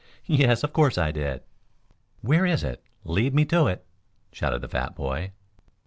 "Yes, of course I did." "Where is it? Lead me to it," shouted the fat boy.